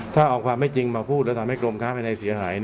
ถ้าเอาความไม่จริงมาพูดแล้วทำให้กรมค้าภายในเสียหาย